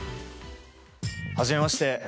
初めまして。